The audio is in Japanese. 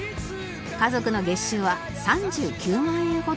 家族の月収は３９万円ほどですが